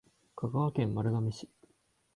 香川県丸亀市